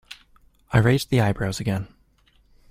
I raised the eyebrows again.